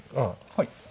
はい。